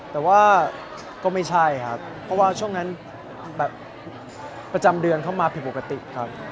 แต่ว่าก็ไม่ใช่ครับเพราะว่าช่วงนั้นแบบประจำเดือนเข้ามาผิดปกติครับ